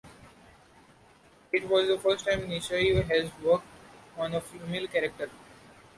It was the first time Nishio has worked on a female character.